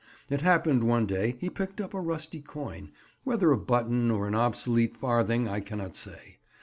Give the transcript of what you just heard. It happened one day he picked up a rusty coin—whether a button or an obsolete farthing I cannot say.